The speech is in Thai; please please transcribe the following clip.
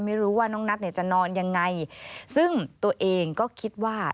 ไม่รู้ว่าน้องนัทจะนอนยังไง